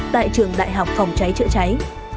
tại trường đại học phòng cháy chữa cháy